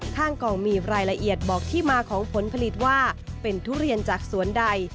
ทางกองมีรายละเอียดบอกที่มาของผลผลิตว่าเป็นทุเรียนจากสวนใด